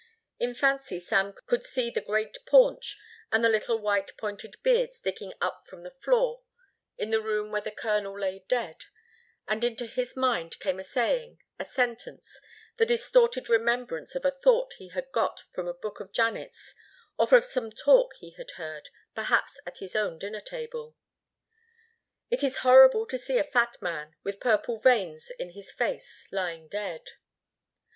In fancy Sam could see the great paunch and the little white pointed beard sticking up from the floor in the room where the colonel lay dead, and into his mind came a saying, a sentence, the distorted remembrance of a thought he had got from a book of Janet's or from some talk he had heard, perhaps at his own dinner table. "It is horrible to see a fat man with purple veins in his face lying dead."